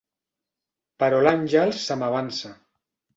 Però l'Àngels se m'avança.